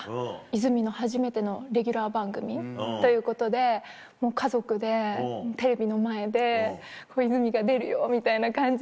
泉の初めてのレギュラー番組ということでもう家族でテレビの前で泉が出るよみたいな感じで。